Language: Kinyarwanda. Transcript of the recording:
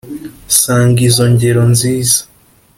sanga izo ngero nziza